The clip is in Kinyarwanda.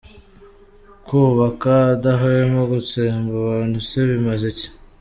Kwubaka adahwema gutsemba abantu se bimaze iki?